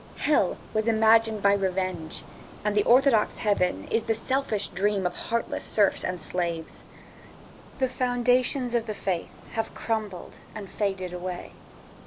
Hell was imagined by revenge, and the orthodox heaven is the selfish dream of heartless serfs and slaves. The foundations of the faith have crumbled and faded away.